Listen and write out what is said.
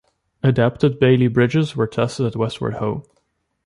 Adapted Bailey Bridges were tested at Westward Ho!